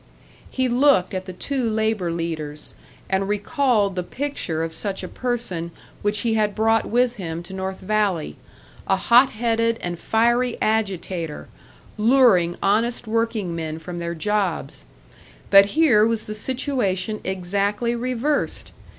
He looked at the two labour leaders, and recalled the picture of such a person which he had brought with him to North Valley a hot headed and fiery agitator, luring honest workingmen from their jobs. But here was the situation exactly reversed!